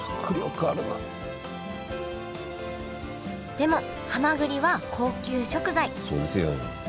でもはまぐりは高級食材そうですよ。